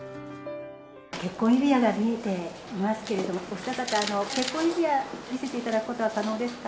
結婚指輪が見えていますけれども、お二方、結婚指輪、見せていただくことは可能ですか？